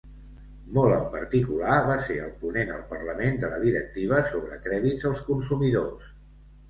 Molt en particular, va ser el ponent al parlament de la directiva sobre crèdits als consumidors.